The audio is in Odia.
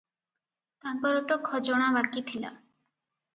ତାଙ୍କର ତ ଖଜଣା ବାକି ଥିଲା ।